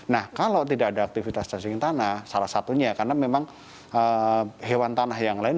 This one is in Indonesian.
nah kalau tidak ada aktivitas cacing tanah salah satunya karena memang hewan tanah yang lain